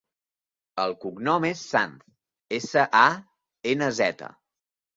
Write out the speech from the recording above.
El cognom és Sanz: essa, a, ena, zeta.